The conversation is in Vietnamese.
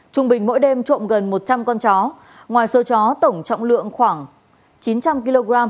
trung bình mỗi đêm trộm gần một trăm linh con chó ngoài xôi chó tổng trọng lượng khoảng chín trăm linh kg